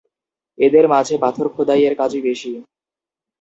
এদের মাঝে পাথর খোদাই এর কাজই বেশি।